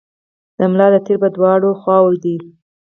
د ملا د تیر په دواړو خواوو دي.